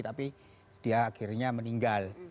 tapi dia akhirnya meninggal